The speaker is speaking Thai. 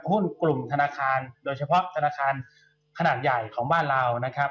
หุ้นกลุ่มธนาคารโดยเฉพาะธนาคารขนาดใหญ่ของบ้านเรานะครับ